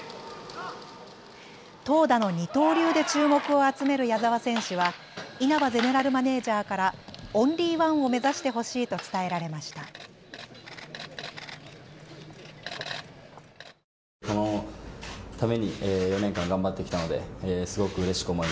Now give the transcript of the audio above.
投打の二刀流で注目を集める矢澤選手は稲葉ゼネラルマネージャーからオンリーワンを目指してほしいと伝えられました。